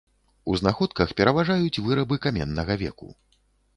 У знаходках пераважаюць вырабы каменнага веку.